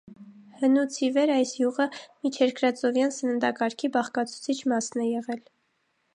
Հնուց ի վեր այս յուղը միջերկրածովյան սննդակարգի բաղկացուցիչ մասն է եղել։